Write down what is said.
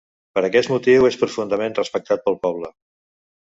Per aquest motiu, és profundament respectat pel poble.